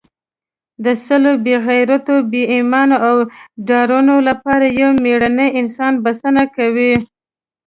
د سلو بې غیرتو، بې ایمانو او ډارنو لپاره یو مېړنی انسان بسنه کوي.